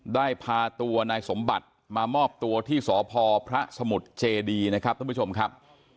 ได้พาตัวนายสมบัติมามอบตัวที่สพพระสมุทรเจดีนะครับท่านผู้ชมครับ